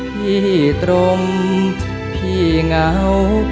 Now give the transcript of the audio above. พี่ตรงพี่เหงา